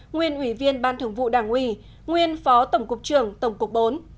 nguyên ủy viên ban thường vụ đảng ủy nguyên phó tổng cục trưởng tổng cục bốn